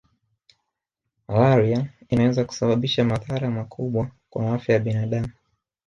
Malaria inaweza kusababisha madhara makubwa kwa afya ya binadamu